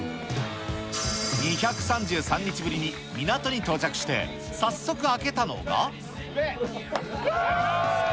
２３３日ぶりに港に到着して、早速、開けたのが。